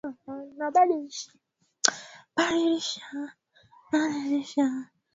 Mkuu wa haki za binadamu wa Umoja wa Ulaya siku ya Jumatano